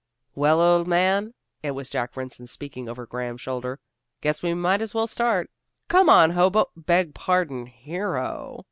"Well, old man!" It was Jack Rynson speaking over Graham's shoulder. "Guess we might as well start. Come on, Hobo beg pardon, Hero."